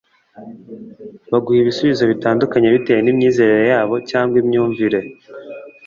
baguha ibisubizo bitandukanye bitewe n’imyizerere yabo cyangwa imyumvire